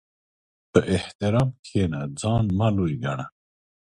په احترام کښېنه، ځان مه لوی ګڼه.